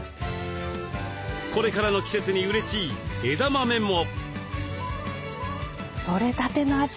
これからの季節にうれしい枝豆も。